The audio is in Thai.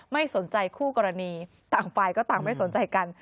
ไม่สนใจคู่กรณีต่างฝ่ายก็ต่างไม่สนใจกัน